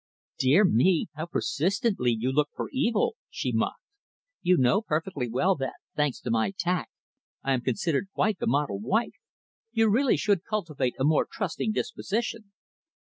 "Dear me! how persistently you look for evil," she mocked. "You know perfectly well that, thanks to my tact, I am considered quite the model wife. You really should cultivate a more trusting disposition."